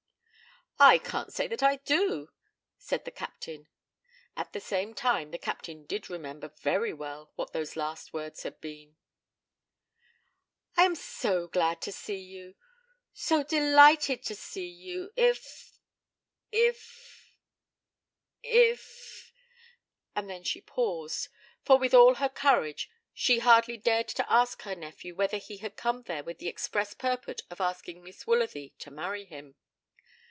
'I can't say that I do,' said the Captain. At the same time the Captain did remember very well what those last words had been. 'I am so glad to see you, so delighted to see you, if if if ,' and then she paused, for with all her courage she hardly dared to ask her nephew whether he had come there with the express purport of asking Miss Woolsworthy to marry him.